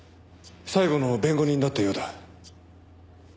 最後の弁護人だったようだ。